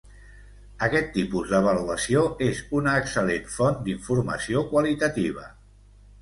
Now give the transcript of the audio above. Aquest tipus d'avaluació és una excel·lent font d'informació qualitativa.